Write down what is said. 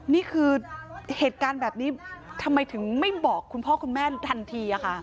นี่คือเหตุการณ์แบบนี้ทำไมถึงไม่บอกคุณพ่อคุณแม่ทันทีค่ะ